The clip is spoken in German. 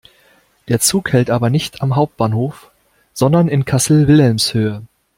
Der Zug hält aber nicht am Hauptbahnhof, sondern in Kassel-Wilhelmshöhe.